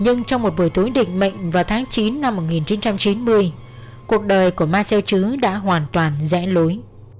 nhưng trong một buổi tối định mệnh vào tháng chín năm một nghìn chín trăm chín mươi cuộc đời của ma xeo chứ đã hoàn toàn rẽ lối